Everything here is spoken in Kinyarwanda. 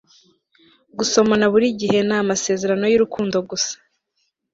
gusomana buri gihe ni amasezerano y'urukundo gusa